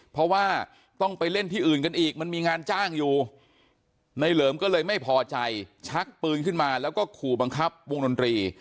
เพราะว่าต้องไปเล่นที่อื่นกันอีกมันมีงานจ้างอยู่ในเหลิมก็เลยไม่พอใจชักปืนขึ้นมาแล้วก็ขู่บังคับวงดนตรี